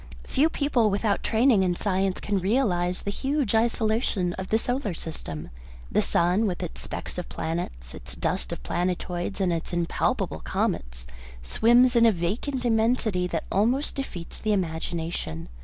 Few people without a training in science can realise the huge isolation of the solar system. The sun with its specks of planets, its dust of planetoids, and its impalpable comets, swims in a vacant immensity that almost defeats the imagination.